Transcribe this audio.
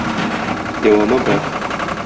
Дәвамы бар...